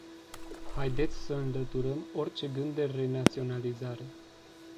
Haideți să înlăturăm orice gând de renaționalizare.